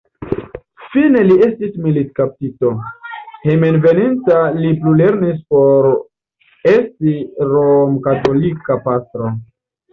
Fine li estis militkaptito, hejmenveninta li plulernis por esti romkatolika pastro.